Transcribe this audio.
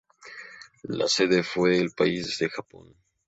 La sede fue el país de Japón.